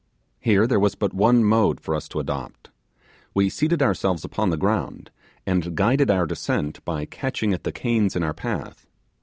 Here there was but one mode for us to adopt. We seated ourselves upon the ground, and guided our descent by catching at the canes in our path.